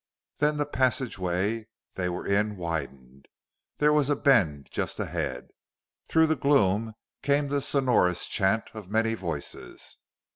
Then the passageway they were in widened. There was a bend just ahead. Through the gloom came the sonorous chant of many voices.